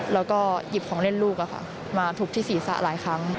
แล้วก็หยิบของเล่นลูกมาทุบที่ศีรษะหลายครั้ง